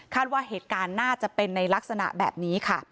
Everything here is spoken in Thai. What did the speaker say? ว่าเหตุการณ์น่าจะเป็นในลักษณะแบบนี้ค่ะ